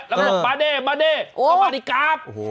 แล้วก็บาไดบาไดก็บาไดกาฟ